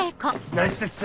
ナイスっす。